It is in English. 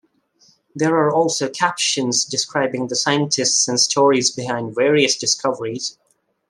There are also captions describing the scientists and stories behind various discoveries.